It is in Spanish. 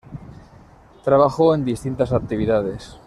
Trabajó en distintas actividades.